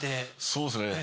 そうですね。